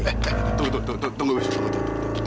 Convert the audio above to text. eh eh tunggu tunggu